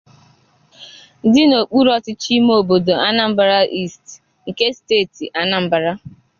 dị n'okpuru ọchịchị ime obodo 'Anambra East' nke steeti Anambra